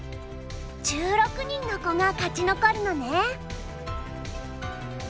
１６人の子が勝ち残るのね。